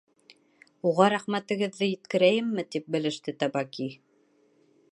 — Уға рәхмәтегеҙҙе еткерәйемме? — тип белеште Табаки.